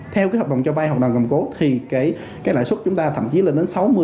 theo hợp đồng cho vay hoặc là cầm cố thì lãi suất chúng ta thậm chí lên đến sáu mươi bảy mươi